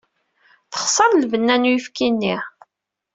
Texṣer lbenna n uyefki-nni.